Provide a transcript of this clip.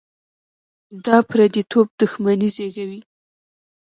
دا پرديتوب دښمني زېږوي.